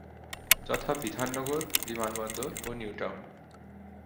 যথা: বিধাননগর, বিমানবন্দর ও নিউ টাউন।